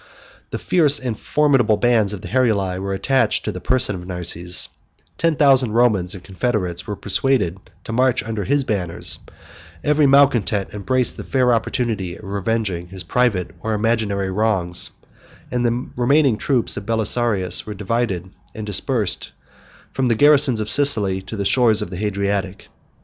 The fierce and formidable bands of the Heruli were attached to the person of Narses; 96 ten thousand Romans and confederates were persuaded to march under his banners; every malcontent embraced the fair opportunity of revenging his private or imaginary wrongs; and the remaining troops of Belisarius were divided and dispersed from the garrisons of Sicily to the shores of the Hadriatic.